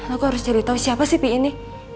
aku harus cari tau siapa sih pi ini